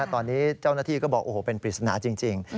ตอนนี้เจ้าหน้าที่ก็บอกโอ้โหเป็นปริศนาจริง